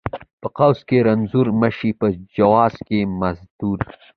ـ په قوس کې رنځور مشې، په جواز کې مزدور.